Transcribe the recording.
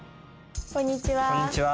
こんにちは。